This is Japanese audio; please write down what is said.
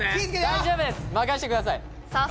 大丈夫です任せてくださいさあ